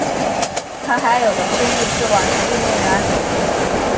她还有个兄弟是网球运动员。